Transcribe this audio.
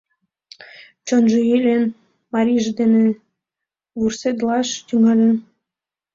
Чонжо йӱлен, марийже дене вурседылаш тӱҥалын.